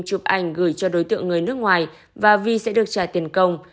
chụp ảnh gửi cho đối tượng người nước ngoài và vi sẽ được trả tiền công